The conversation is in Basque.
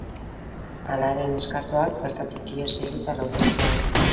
Hala ere, neskatoak bertatik ihes egitea lortu zuen.